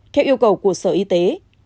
theo yêu cầu của sở y tế